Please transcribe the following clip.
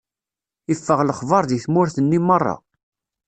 Iffeɣ lexbaṛ di tmurt-nni meṛṛa.